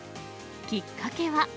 きっかけは。